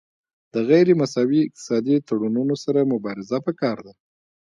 د غیر مساوي اقتصادي تړونونو سره مبارزه پکار ده